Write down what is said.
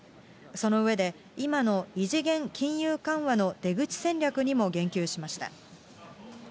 その上で、今の異次元金融緩和の出口戦略にも言及しました。